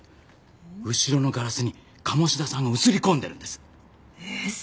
後ろのガラスに鴨志田さんが映り込んでるんです。